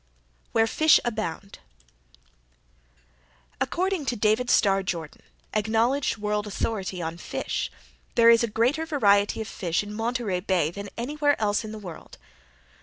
Where Fish Abound According to David Starr Jordan, acknowledged world authority on fish, there is greater variety of fish in Monterey Bay than anywhere else in the world.